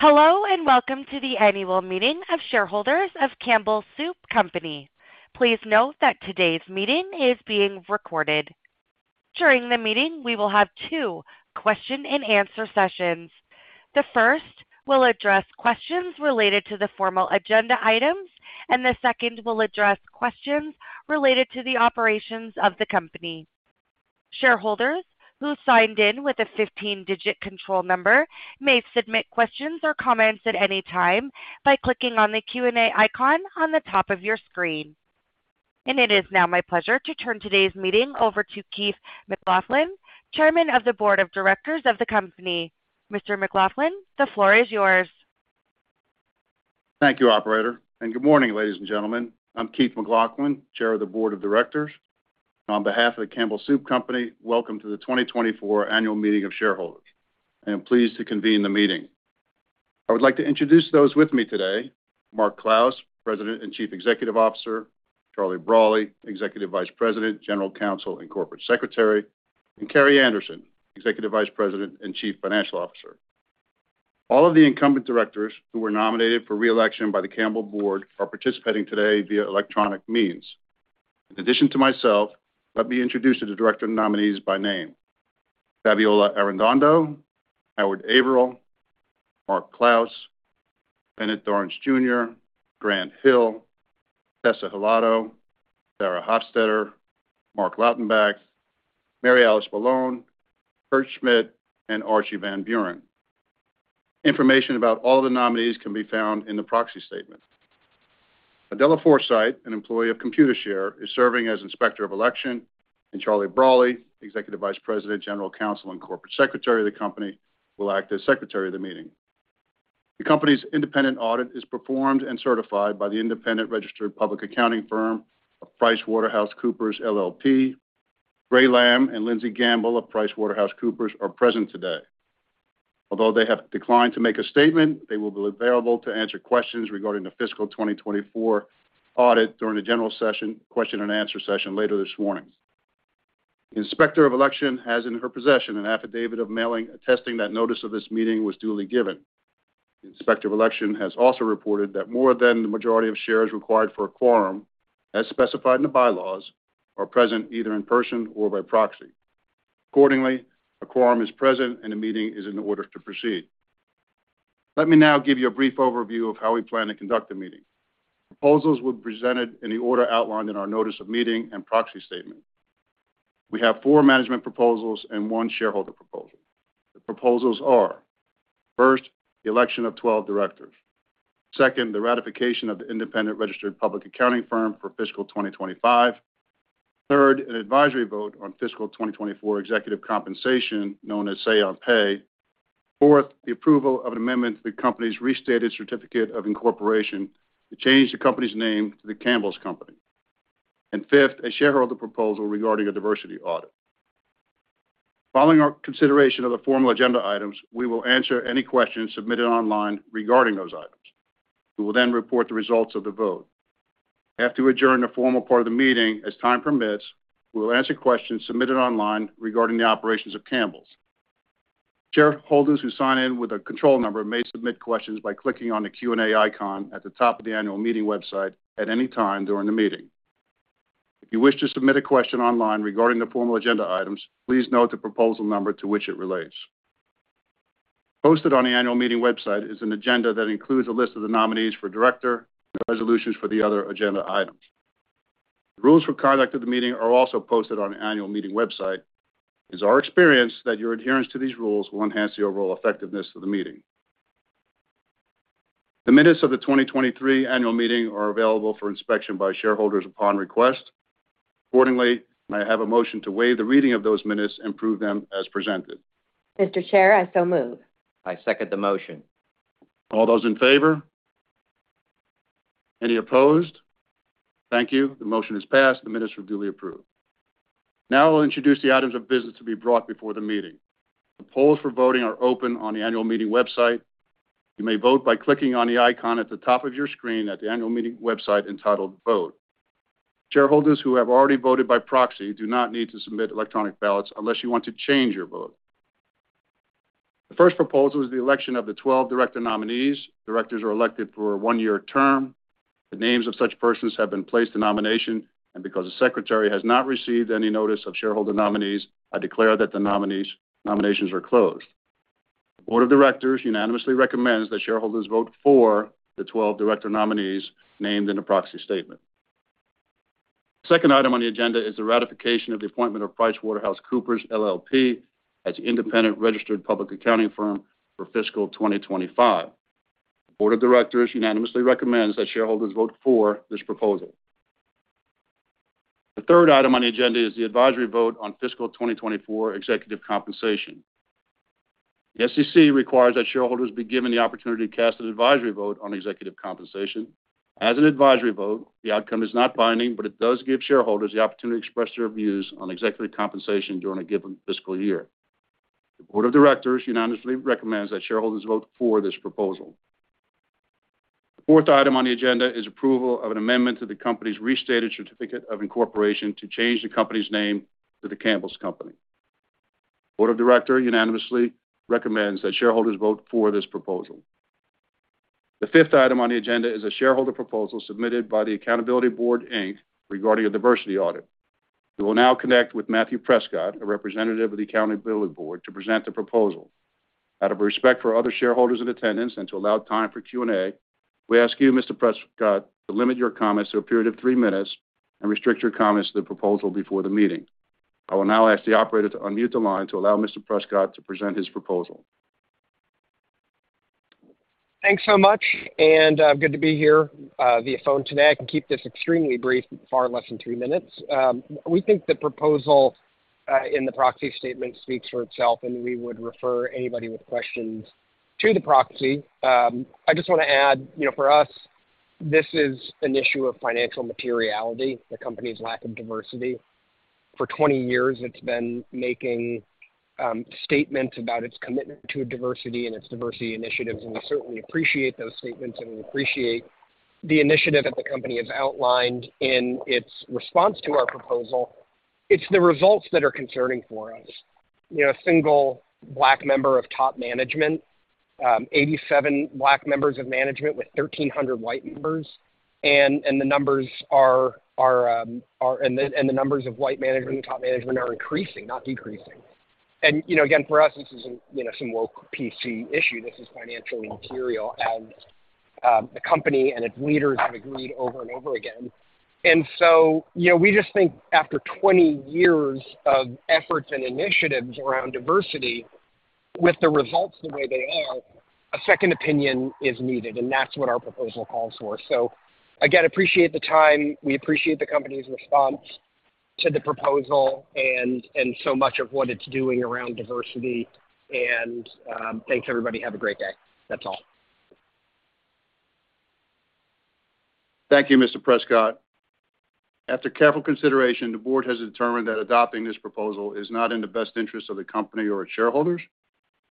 Hello, and welcome to the annual meeting of shareholders of Campbell Soup Company. Please note that today's meeting is being recorded. During the meeting, we will have two question-and-answer sessions. The first will address questions related to the formal agenda items, and the second will address questions related to the operations of the company. Shareholders who signed in with a 15-digit control number may submit questions or comments at any time by clicking on the Q&A icon on the top of your screen. And it is now my pleasure to turn today's meeting over to Keith McLoughlin, Chairman of the Board of Directors of the Company. Mr. McLoughlin, the floor is yours. Thank you, Operator, and good morning, ladies and gentlemen. I'm Keith McLoughlin, Chair of the Board of Directors. On behalf of the Campbell Soup Company, welcome to the 2024 annual meeting of shareholders. I am pleased to convene the meeting. I would like to introduce those with me today: Mark Clouse, President and Chief Executive Officer; Charlie Brawley, Executive Vice President, General Counsel, and Corporate Secretary; and Carrie Anderson, Executive Vice President and Chief Financial Officer. All of the incumbent directors who were nominated for reelection by the Campbell Board are participating today via electronic means. In addition to myself, let me introduce the director nominees by name: Fabiola Arredondo, Howard Averill, Mark Clouse, Bennett Dorrance, Grant Hill, Tessa Hilado, Sarah Hofstetter, Marc Lautenbach, Mary Alice Malone, Kurt Schmidt, and Archie van Beuren. Information about all of the nominees can be found in the proxy statement. Adela Forsythe, an employee of Computershare, is serving as Inspector of Election, and Charlie Brawley, Executive Vice President, General Counsel, and Corporate Secretary of the Company, will act as Secretary of the Meeting. The Company's independent audit is performed and certified by the independent registered public accounting firm of PricewaterhouseCoopers LLP. Gray Lamb and Lindsay Gamble of PricewaterhouseCoopers are present today. Although they have declined to make a statement, they will be available to answer questions regarding the fiscal 2024 audit during the general session, question-and-answer session later this morning. The Inspector of Election has in her possession an affidavit of mailing attesting that notice of this meeting was duly given. The Inspector of Election has also reported that more than the majority of shares required for a quorum, as specified in the bylaws, are present either in person or by proxy. Accordingly, a quorum is present, and a meeting is in order to proceed. Let me now give you a brief overview of how we plan to conduct the meeting. Proposals will be presented in the order outlined in our notice of meeting and proxy statement. We have four management proposals and one shareholder proposal. The proposals are: first, the election of 12 directors; second, the ratification of the independent registered public accounting firm for fiscal 2025; third, an advisory vote on fiscal 2024 executive compensation, known as Say on Pay; fourth, the approval of an amendment to the Company's restated certificate of incorporation to change the Company's name to The Campbell's Company; and fifth, a shareholder proposal regarding a diversity audit. Following our consideration of the formal agenda items, we will answer any questions submitted online regarding those items. We will then report the results of the vote. After we adjourn the formal part of the meeting, as time permits, we will answer questions submitted online regarding the operations of Campbell's. Shareholders who sign in with a control number may submit questions by clicking on the Q&A icon at the top of the annual meeting website at any time during the meeting. If you wish to submit a question online regarding the formal agenda items, please note the proposal number to which it relates. Posted on the annual meeting website is an agenda that includes a list of the nominees for director and resolutions for the other agenda items. Rules for conduct of the meeting are also posted on the annual meeting website. It is our experience that your adherence to these rules will enhance the overall effectiveness of the meeting. The minutes of the 2023 annual meeting are available for inspection by shareholders upon request. Accordingly, may I have a motion to waive the reading of those minutes and approve them as presented? Mr. Chair, I so move. I second the motion. All those in favor? Any opposed? Thank you. The motion is passed. The minutes are duly approved. Now I'll introduce the items of business to be brought before the meeting. The polls for voting are open on the annual meeting website. You may vote by clicking on the icon at the top of your screen at the annual meeting website entitled "Vote." Shareholders who have already voted by proxy do not need to submit electronic ballots unless you want to change your vote. The first proposal is the election of the 12 director nominees. Directors are elected for a one-year term. The names of such persons have been placed in nomination. And because the Secretary has not received any notice of shareholder nominees, I declare that the nominations are closed. The Board of Directors unanimously recommends that shareholders vote for the 12 director nominees named in the proxy statement. The second item on the agenda is the ratification of the appointment of PricewaterhouseCoopers LLP as the independent registered public accounting firm for fiscal 2025. The Board of Directors unanimously recommends that shareholders vote for this proposal. The third item on the agenda is the advisory vote on fiscal 2024 executive compensation. The SEC requires that shareholders be given the opportunity to cast an advisory vote on executive compensation. As an advisory vote, the outcome is not binding, but it does give shareholders the opportunity to express their views on executive compensation during a given fiscal year. The Board of Directors unanimously recommends that shareholders vote for this proposal. The fourth item on the agenda is approval of an amendment to the Company's restated certificate of incorporation to change the Company's name to The Campbell's Company. The Board of Directors unanimously recommends that shareholders vote for this proposal. The fifth item on the agenda is a shareholder proposal submitted by the Accountability Board, Inc., regarding a diversity audit. We will now connect with Matthew Prescott, a representative of the Accountability Board, to present the proposal. Out of respect for other shareholders in attendance and to allow time for Q&A, we ask you, Mr. Prescott, to limit your comments to a period of three minutes and restrict your comments to the proposal before the meeting. I will now ask the Operator to unmute the line to allow Mr. Prescott to present his proposal. Thanks so much. And I'm good to be here via phone today. I can keep this extremely brief, far less than three minutes. We think the proposal in the proxy statement speaks for itself, and we would refer anybody with questions to the proxy. I just want to add, for us, this is an issue of financial materiality, the company's lack of diversity. For 20 years, it's been making statements about its commitment to diversity and its diversity initiatives, and we certainly appreciate those statements, and we appreciate the initiative that the company has outlined in its response to our proposal. It's the results that are concerning for us. A single black member of top management, 87 black members of management with 1,300 white members, and the numbers of white management and top management are increasing, not decreasing. And again, for us, this isn't some woke PC issue. This is financially material, as the company and its leaders have agreed over and over again, and so we just think after 20 years of efforts and initiatives around diversity, with the results the way they are, a second opinion is needed, and that's what our proposal calls for, so again, I appreciate the time. We appreciate the company's response to the proposal and so much of what it's doing around diversity, and thanks, everybody. Have a great day. That's all. Thank you, Mr. Prescott. After careful consideration, the Board has determined that adopting this proposal is not in the best interest of the company or its shareholders.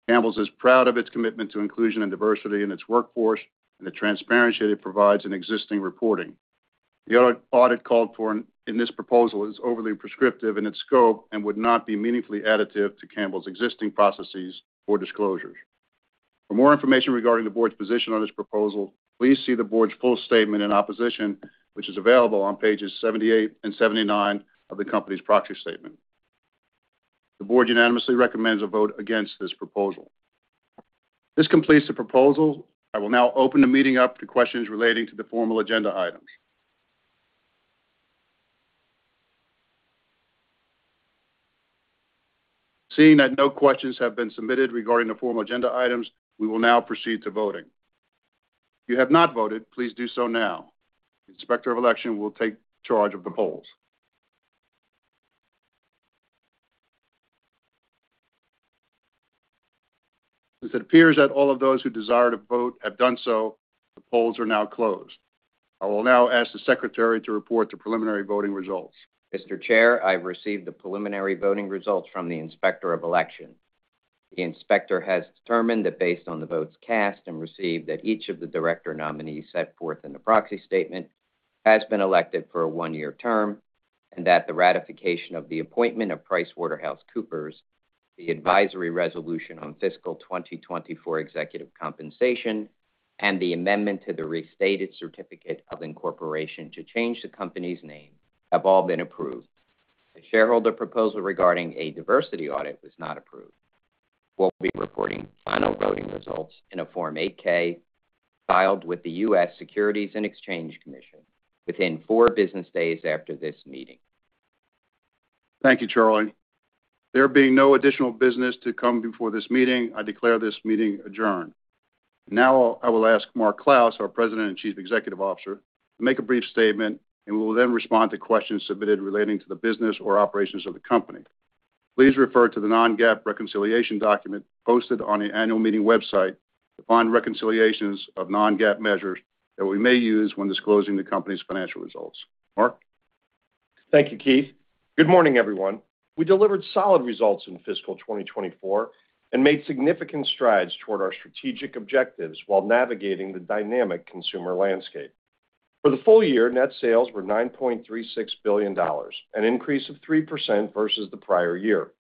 Campbell's is proud of its commitment to inclusion and diversity in its workforce and the transparency it provides in existing reporting. The audit called for in this proposal is overly prescriptive in its scope and would not be meaningfully additive to Campbell's existing processes or disclosures. For more information regarding the Board's position on this proposal, please see the Board's full statement in opposition, which is available on pages 78 and 79 of the company's proxy statement. The Board unanimously recommends a vote against this proposal. This completes the proposal. I will now open the meeting up to questions relating to the formal agenda items. Seeing that no questions have been submitted regarding the formal agenda items, we will now proceed to voting. If you have not voted, please do so now. The Inspector of Election will take charge of the polls. Since it appears that all of those who desire to vote have done so, the polls are now closed. I will now ask the Secretary to report the preliminary voting results. Mr. Chair, I've received the preliminary voting results from the Inspector of Election. The Inspector has determined that based on the votes cast and received that each of the director nominees set forth in the proxy statement has been elected for a one-year term, and that the ratification of the appointment of PricewaterhouseCoopers, the advisory resolution on fiscal 2024 executive compensation, and the amendment to the restated certificate of incorporation to change the Company's name have all been approved. The shareholder proposal regarding a diversity audit was not approved. We'll be reporting final voting results in a Form 8-K filed with the U.S. Securities and Exchange Commission within four business days after this meeting. Thank you, Charlie. There being no additional business to come before this meeting, I declare this meeting adjourned. Now I will ask Mark Clouse, our President and Chief Executive Officer, to make a brief statement, and we will then respond to questions submitted relating to the business or operations of the Company. Please refer to the non-GAAP reconciliation document posted on the annual meeting website to find reconciliations of non-GAAP measures that we may use when disclosing the Company's financial results. Mark? Thank you, Keith. Good morning, everyone. We delivered solid results in fiscal 2024 and made significant strides toward our strategic objectives while navigating the dynamic consumer landscape. For the full year, net sales were $9.36 billion, an increase of 3% versus the prior year,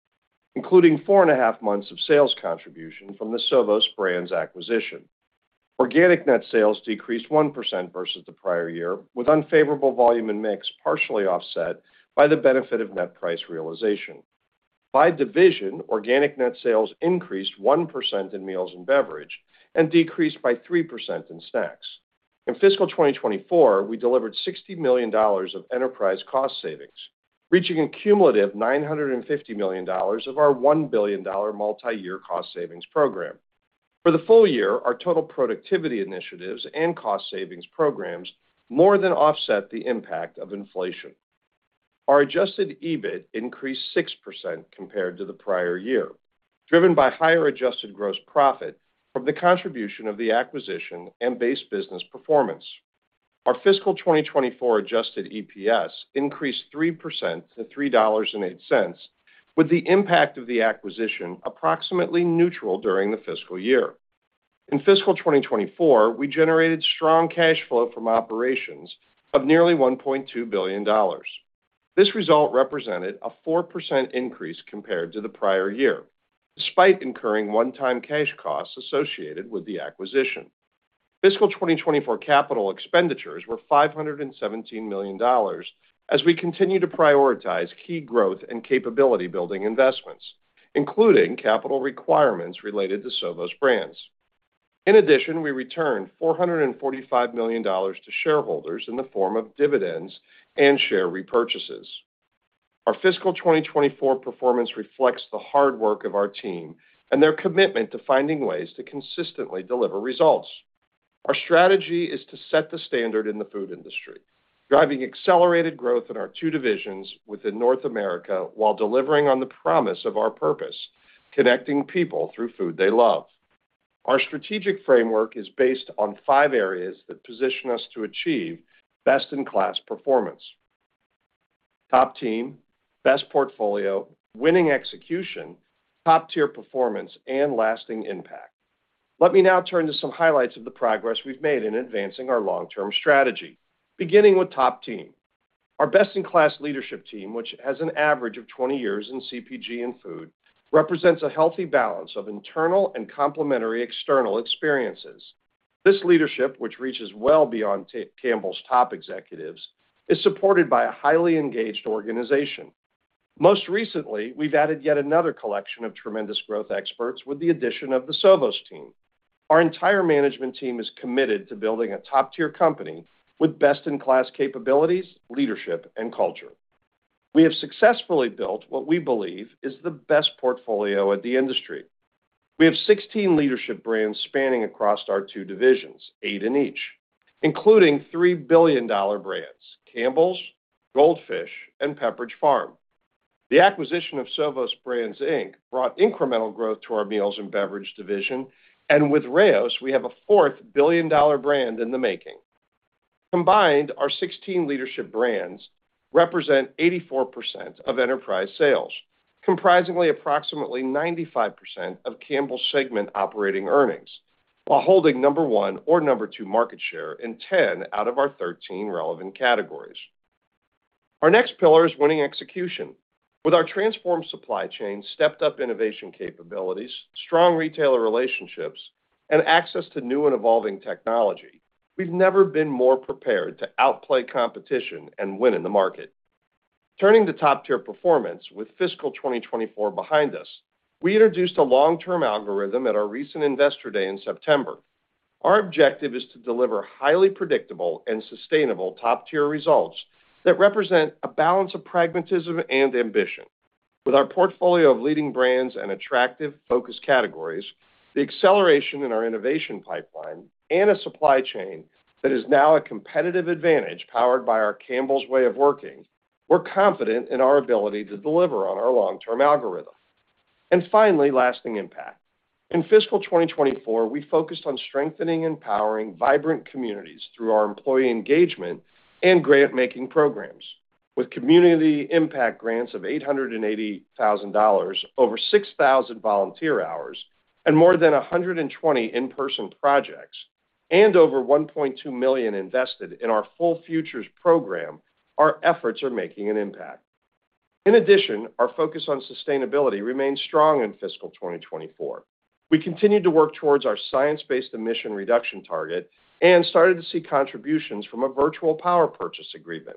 including four and a half months of sales contribution from the Sovos Brands acquisition. Organic net sales decreased 1% versus the prior year, with unfavorable volume and mix partially offset by the benefit of net price realization. By division, organic net sales increased 1% in meals and beverage and decreased by 3% in snacks. In fiscal 2024, we delivered $60 million of enterprise cost savings, reaching a cumulative $950 million of our $1 billion multi-year cost savings program. For the full year, our total productivity initiatives and cost savings programs more than offset the impact of inflation. Our adjusted EBIT increased 6% compared to the prior year, driven by higher adjusted gross profit from the contribution of the acquisition and base business performance. Our fiscal 2024 adjusted EPS increased 3% to $3.08, with the impact of the acquisition approximately neutral during the fiscal year. In fiscal 2024, we generated strong cash flow from operations of nearly $1.2 billion. This result represented a 4% increase compared to the prior year, despite incurring one-time cash costs associated with the acquisition. Fiscal 2024 capital expenditures were $517 million, as we continue to prioritize key growth and capability-building investments, including capital requirements related to Sovos Brands. In addition, we returned $445 million to shareholders in the form of dividends and share repurchases. Our fiscal 2024 performance reflects the hard work of our team and their commitment to finding ways to consistently deliver results. Our strategy is to set the standard in the food industry, driving accelerated growth in our two divisions within North America while delivering on the promise of our purpose: connecting people through food they love. Our strategic framework is based on five areas that position us to achieve best-in-class performance: Top Team, Best Portfolio, Winning Execution, Top-Tier Performance, and Lasting Impact. Let me now turn to some highlights of the progress we've made in advancing our long-term strategy, beginning with Top Team. Our best-in-class leadership team, which has an average of 20 years in CPG and food, represents a healthy balance of internal and complementary external experiences. This leadership, which reaches well beyond Campbell's top executives, is supported by a highly engaged organization. Most recently, we've added yet another collection of tremendous growth experts with the addition of the Sovos team. Our entire management team is committed to building a top-tier company with best-in-class capabilities, leadership, and culture. We have successfully built what we believe is the Best Portfolio of the industry. We have 16 leadership brands spanning across our two divisions, eight in each, including $3 billion brands: Campbell's, Goldfish, and Pepperidge Farm. The acquisition of Sovos Brands, Inc., brought incremental growth to our meals and beverage division, and with Rao's, we have a fourth billion-dollar brand in the making. Combined, our 16 leadership brands represent 84% of enterprise sales, comprising approximately 95% of Campbell's segment operating earnings, while holding number one or number two market share in 10 out of our 13 relevant categories. Our next pillar is Winning Execution. With our transformed supply chain, stepped-up innovation capabilities, strong retailer relationships, and access to new and evolving technology, we've never been more prepared to outplay competition and win in the market. Turning to Top-Tier Performance, with fiscal 2024 behind us, we introduced a long-term algorithm at our recent investor day in September. Our objective is to deliver highly predictable and sustainable top-tier results that represent a balance of pragmatism and ambition. With our portfolio of leading brands and attractive, focused categories, the acceleration in our innovation pipeline, and a supply chain that is now a competitive advantage powered by our Campbell's Way of Working, we're confident in our ability to deliver on our long-term algorithm. And finally, Lasting Impact. In fiscal 2024, we focused on strengthening and powering vibrant communities through our employee engagement and grant-making programs. With community impact grants of $880,000, over 6,000 volunteer hours, and more than 120 in-person projects, and over 1.2 million invested in our Full Futures program, our efforts are making an impact. In addition, our focus on sustainability remained strong in fiscal 2024. We continued to work towards our science-based emission reduction target and started to see contributions from a Virtual Power Purchase Agreement.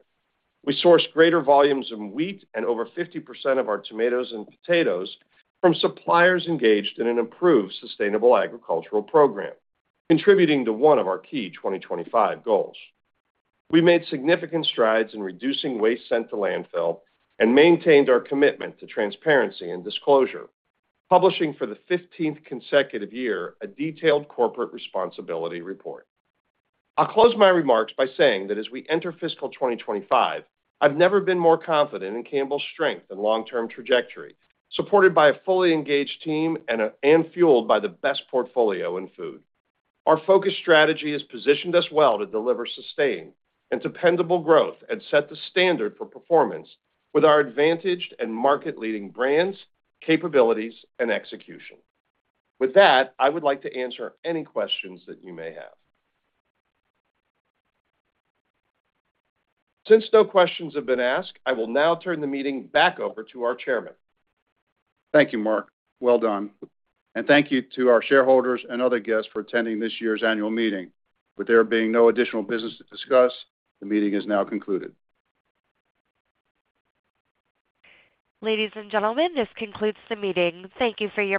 We sourced greater volumes of wheat and over 50% of our tomatoes and potatoes from suppliers engaged in an improved sustainable agricultural program, contributing to one of our key 2025 goals. We made significant strides in reducing waste sent to landfill and maintained our commitment to transparency and disclosure, publishing for the 15th consecutive year a detailed corporate responsibility report. I'll close my remarks by saying that as we enter fiscal 2025, I've never been more confident in Campbell's strength and long-term trajectory, supported by a fully engaged team and fueled by the Best Portfolio in food. Our focused strategy has positioned us well to deliver sustained and dependable growth and set the standard for performance with our advantaged and market-leading brands, capabilities, and execution. With that, I would like to answer any questions that you may have. Since no questions have been asked, I will now turn the meeting back over to our Chairman. Thank you, Mark. Well done. And thank you to our shareholders and other guests for attending this year's annual meeting. With there being no additional business to discuss, the meeting is now concluded. Ladies and gentlemen, this concludes the meeting. Thank you for your.